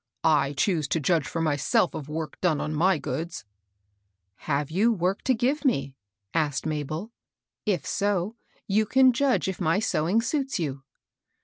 "I choose to judge for myself of work done on my goods." Have you work to give me ?" asked Mabel. " If so you can judge if my sewing suits you."